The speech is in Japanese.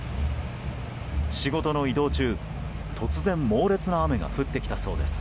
仕事の移動中、突然猛烈な雨が降ってきたそうです。